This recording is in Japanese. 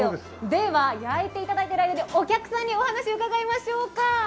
では焼いていただいている間にお客さんにお話伺いましょうか。